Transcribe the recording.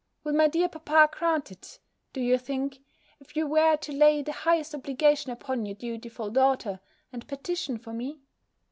Will my dear papa grant it, do you think, if you were to lay the highest obligation upon your dutiful daughter, and petition for me?